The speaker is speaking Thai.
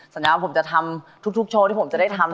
สัญญาว่าผมจะทำทุกโชว์ที่ผมจะได้ทำ